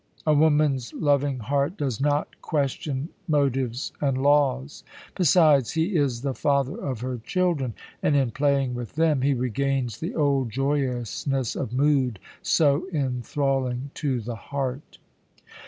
A woman's loving heart does not question motives and laws. Besides, he is the father of her children and, in playing with them, he regains the old joyousness of mood so enthralling to the heart.